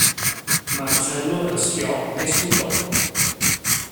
Marcello raschiò e sputò.